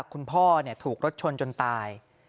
คุณพ่อถูกรถชนจนตาย